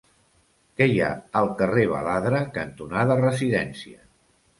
Què hi ha al carrer Baladre cantonada Residència?